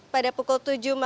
pada pukul tujuh